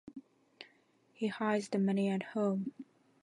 He hides the money at home.